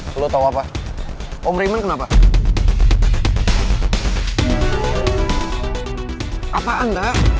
seluruh river start apaan